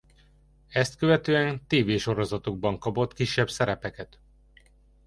Ezt követően tévésorozatokban kapott kisebb szerepeket.